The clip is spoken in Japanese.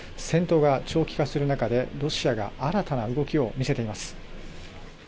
戦闘が長期化する中で、ロシアが新たな動きを見せています。